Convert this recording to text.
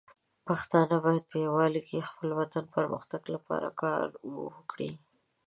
پښتانه بايد په يووالي سره د خپل وطن د پرمختګ لپاره کار وکړي.